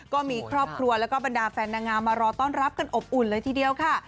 ก็มีครอบครัวแล้วก็บรรดาแฟนนางงามมารอต้อนรับกันอบอุ่นเลยทีเดียวค่ะ